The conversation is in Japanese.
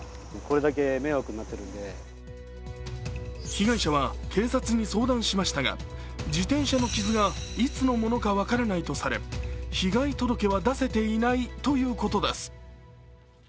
被害者は警察に相談しましたが、自転車の傷がいつのものか分からないとされ被害届は出せていないということです。